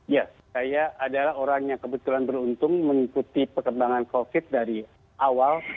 ya saya adalah orang yang kebetulan beruntung mengikuti perkembangan covid dari awal